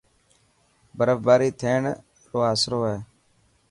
برف باري ٿيڻ رو آسرو هي.